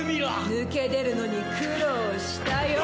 抜け出るのに苦労したよ！